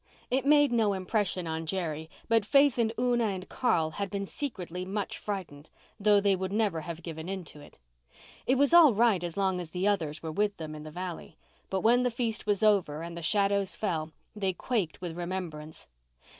It made no impression on Jerry, but Faith and Una and Carl had been secretly much frightened, though they would never have given in to it. It was all right as long as the others were with them in the valley: but when the feast was over and the shadows fell they quaked with remembrance.